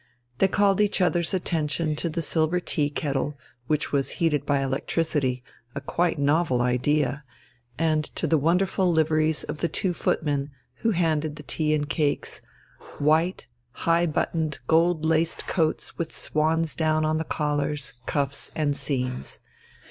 They called each other's attention to the silver tea kettle, which was heated by electricity a quite novel idea and to the wonderful liveries of the two footmen who handed the tea and cakes, white, high buttoned, gold laced coats with swan's down on the collars, cuffs, and seams.